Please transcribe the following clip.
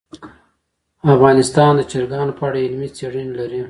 افغانستان د چرګان په اړه علمي څېړنې لري.